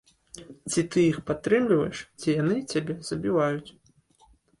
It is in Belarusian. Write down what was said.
Ці ты іх падтрымліваеш, ці яны цябе забіваюць.